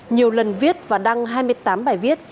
nhiều lần viết và đăng hai mươi tám bài viết